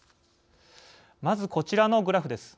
まずこちらのグラフです。